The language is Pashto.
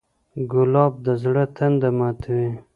ګلاب د زړه تنده ماتوي.